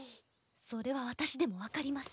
それは私でも分かります。